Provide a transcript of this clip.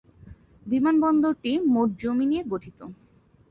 বিমানবন্দরটি মোট জমি নিয়ে গঠিত।